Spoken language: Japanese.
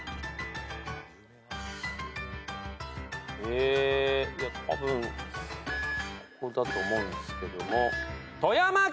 えたぶんこれだと思うんですけども。